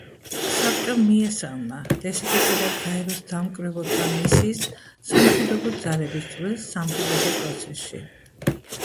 საბჭომ მიესალმა დსთ-სა და გაეროს დამკვირვებელთა მისიის სამშვიდობო ძალების წვლილს სამშვიდობო პროცესში.